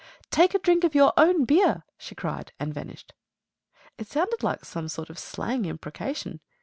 "Take a drink of your own beer!" she cried, and vanished. It sounded like some sort of slang imprecation.